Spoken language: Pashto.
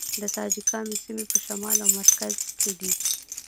د تاجکانو سیمې په شمال او مرکز کې دي